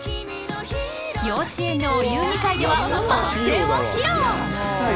幼稚園のお遊戯会ではバク転を披露。